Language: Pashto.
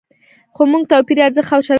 خو موږ توپیري ارزښت او چلند لرو.